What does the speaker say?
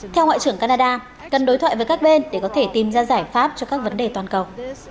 theo ngoại trưởng canada cần đối thoại với các bên để có thể tìm ra giải pháp cho các vấn đề toàn cầu